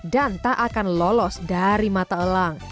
dan tak akan lolos dari mata elang